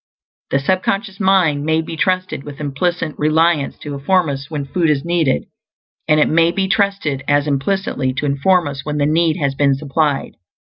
The sub conscious mind may be trusted with implicit reliance to inform us when food is needed; and it may be trusted as implicitly to inform us when the need has been supplied.